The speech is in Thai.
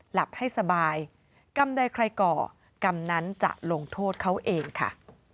หลับให้สบายกรรมใดใครก่อกรรมนั้นจะลงโทษเขาเองค่ะ